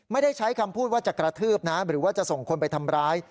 ไม่ได้ใช้คำพูดว่าจะกระทืบนะหรือว่าจะส่งคนไปทำร้าย